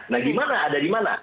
nah gimana ada di mana